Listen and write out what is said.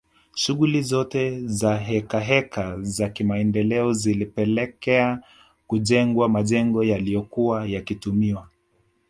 Shughuli zote na hekaheka za kimaendeleo zilipelekea kujengwa majengo yaliyokuwa yakitumiwa